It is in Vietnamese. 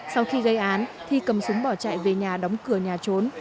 sau khi gây án thi cầm súng bỏ chạy về nhà đóng cửa nhà trốn